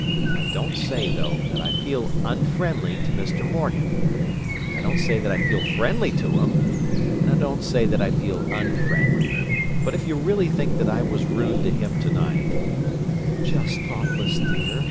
I don't say, though, that I feel unfriendly to Mr. Morgan. I don't say that I feel friendly to him, and I don't say that I feel unfriendly; but if you really think that I was rude to him to night—" "Just thoughtless, dear.